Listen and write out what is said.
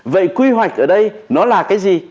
vậy quy hoạch ở đây nó là cái gì